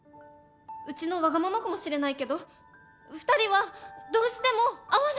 うちのわがままかもしれないけど２人はどうしても会わないといけないんです！